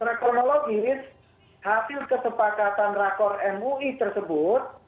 rekonologi isi hasil kesepakatan rakor mui tersebut